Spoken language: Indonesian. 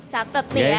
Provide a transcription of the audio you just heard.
catet nih ya